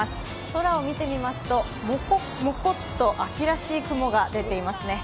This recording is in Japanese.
空を見てみますと、もこっもこっと秋らしい雲が出ていますね。